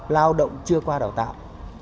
lao động chưa qua đào tạo